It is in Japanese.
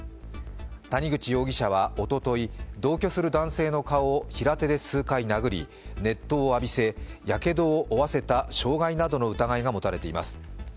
谷口容疑者はおととい、同居する男性の顔を平手で数回殴り熱湯を浴びせ、やけどを負わせた傷害などの疑いが持たれています。